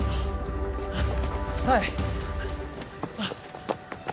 はい。